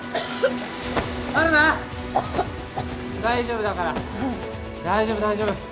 大丈夫大丈夫。